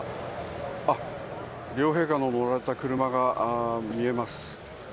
あっ、両陛下の乗られた車が見えます。